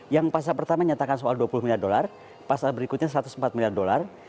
yang pasal pertama nyatakan soal dua puluh miliar dolar pasal berikutnya satu ratus empat miliar dolar